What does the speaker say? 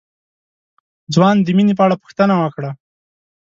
ځوان د مينې په اړه پوښتنه وکړه.